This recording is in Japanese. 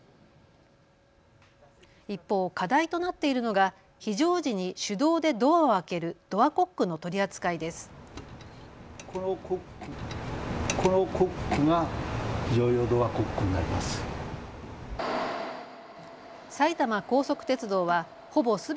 一方、課題となっているのが非常時に手動でドアを開けるドアコックの取り扱いです。